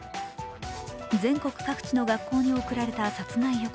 全国各地の学校に送られた殺害予告。